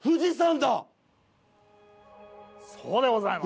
そうでございます。